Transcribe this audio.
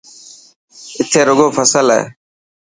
اٿي رڳو فصل هي.